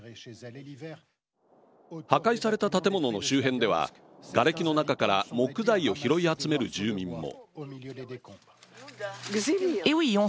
破壊された建物の周辺ではがれきの中から木材を拾い集める住民も。